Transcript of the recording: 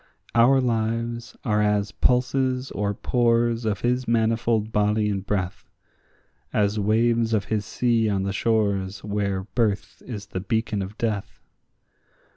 Our lives are as pulses or pores of his manifold body and breath; As waves of his sea on the shores where birth is the beacon of death.